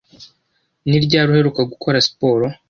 Ni ryari uheruka gukora siporo?